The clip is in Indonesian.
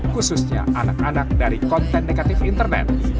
khususnya anak anak dari konten negatif internet